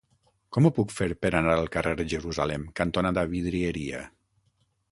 Com ho puc fer per anar al carrer Jerusalem cantonada Vidrieria?